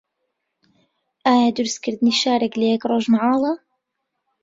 ئایا دروستکردنی شارێک لە یەک ڕۆژ مەحاڵە؟